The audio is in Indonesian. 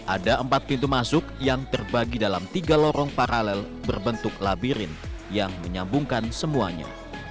ada empat pintu masuk yang terbagi dalam tiga lorong paralel berbentuk labirin yang menyambungkan semuanya